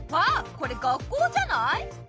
これ学校じゃない？